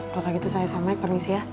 kalau begitu saya samai permisi ya